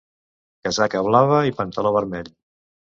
Casaca blava i pantaló vermell.